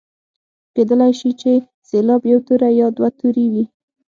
کیدلای شي چې سېلاب یو توری یا دوه توري وي.